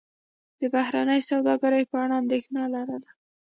د بهرنۍ سوداګرۍ په اړه اندېښنه لرله.